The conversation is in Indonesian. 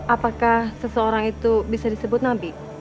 apakah seseorang itu bisa disebut nabi